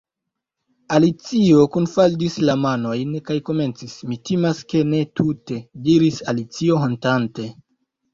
Alicio kunfaldis la manojn kaj komencis: "Mi timas ke ne tute " diris Alicio hontante.